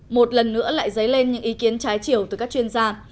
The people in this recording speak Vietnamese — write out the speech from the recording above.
một lần nữa lại dấy lên những ý kiến trái chiều từ các chuyên gia